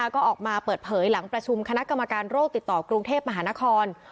ก็ออกมาเปิดเผยหลังประชุมคณะกรรมการโรคติดต่อกรุงเทพมหานคร